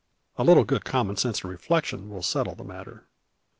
A little good common sense and reflection will settle that matter.